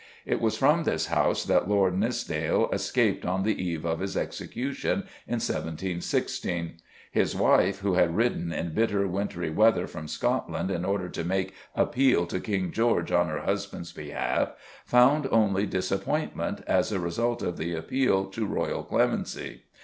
It was from this house that Lord Nithsdale escaped, on the eve of his execution, in 1716. His wife, who had ridden in bitter, wintry weather from Scotland in order to make appeal to King George on her husband's behalf, found only disappointment as a result of the appeal to royal clemency.